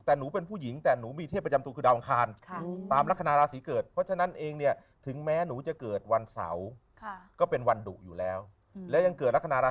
แต่หนูเป็นผู้หญิงแต่หนูมีเทพประจำตัวคือดาวอังคาร